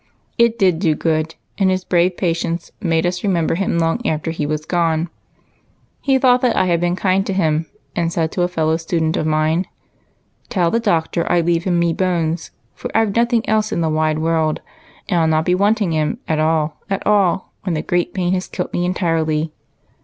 It did do good, and his brave patience made us remember him long after he was gone. He thought I had been kind to him, and said to a fellow student of mine :' Tell the Doctor I lave him me bones, for I 've nothing else in the wide world, and I '11 not be wanting 'em at all, at all, when the great pain has kilt me entirely.'